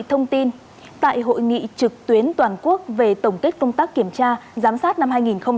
hội nghị trực tuyến toàn quốc về tổng kết công tác kiểm tra giám sát năm hai nghìn hai mươi một